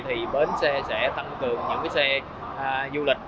thì bến xe sẽ tăng cường những xe du lịch